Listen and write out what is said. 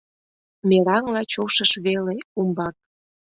Мераҥла чошыш веле умбак.